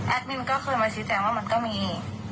แอดมินก็เคยมาสินแสดงว่ามันก็มี